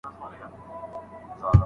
تاسي تل د ژوند څخه خوند اخلئ.